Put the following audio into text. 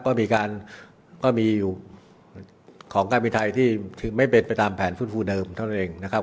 ก็มีของการมีไทยที่ไม่เบ็ดไปตามแผลฟูฟูเดิมเท่านั้นเองนะครับ